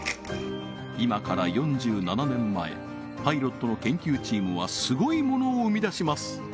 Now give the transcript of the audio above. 今から４７年前パイロットの研究チームはすごいものを生み出します